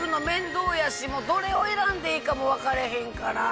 どれを選んでいいかも分からへんから。